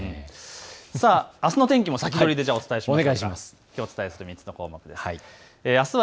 あすの天気も先取りでお伝えします。